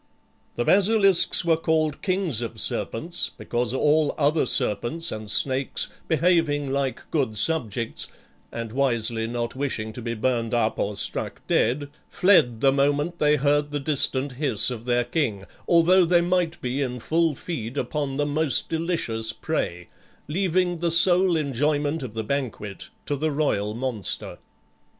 The basilisks were called kings of serpents because all other serpents and snakes, behaving like good subjects, and wisely not wishing to be burned up or struck dead, fled the moment they heard the distant hiss of their king, although they might be in full feed upon the most delicious prey, leaving the sole enjoyment of the banquet to the royal monster.